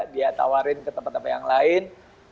dia tawarin ke tempat tempat yang lain